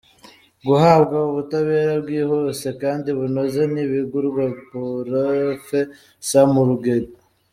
Guhabwa ubutabera bwihuse kandi bunoze ntibigurwa - Purofe Samu Rugege